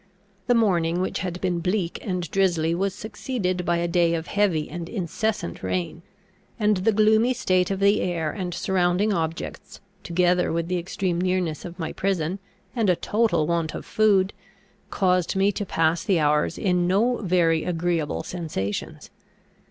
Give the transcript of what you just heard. The morning, which had been bleak and drizzly, was succeeded by a day of heavy and incessant rain; and the gloomy state of the air and surrounding objects, together with the extreme nearness of my prison, and a total want of food, caused me to pass the hours in no very agreeable sensations.